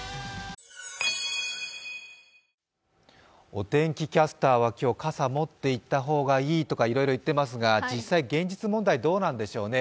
お天気キャスターは今日、傘持っていった方がいいとかいろいろ言っていますが、実際、現実問題どうなんでしょうね。